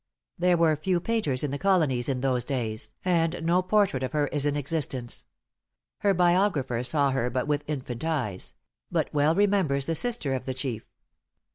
There were few painters in the colonies in those days, and no portrait of her is in existence. Her biographer saw her but with infant eyes; but well remembers the sister of the chief.